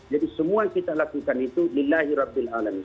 jadi semua yang kita lakukan itu lillahi rabbil alamin